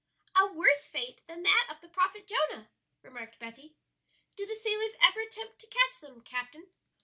"A worse fate than that of the prophet Jonah," remarked Betty. "Do the sailors ever attempt to catch them, captain?"